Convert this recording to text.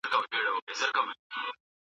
هغه د بېکارۍ ستونزه پېژندله.